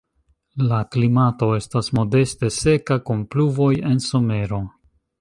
La klimato estas modeste seka kun pluvoj en somero.